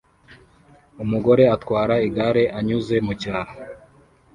umugore atwara igare anyuze mucyaro